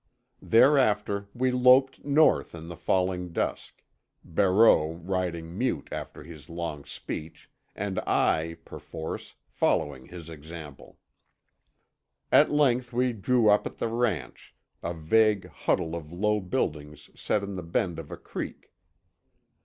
Thereafter we loped north in the falling dusk, Barreau riding mute after his long speech, and I, perforce, following his example. At length we drew up at the ranch, a vague huddle of low buildings set in the bend of a creek.